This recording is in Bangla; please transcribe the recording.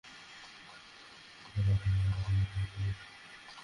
বলিয়া খবর দিল, পিসিমা, খাবার প্রস্তুত হইয়াছে।